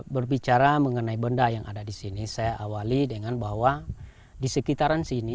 berbicara mengenai benda yang ada di sini saya awali dengan bahwa di sekitaran sini